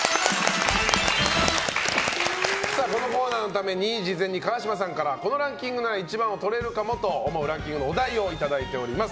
このコーナーのために事前に川嶋さんからこのランキングなら自分が１番をとれるかもと思うランキングのお題をいただいております。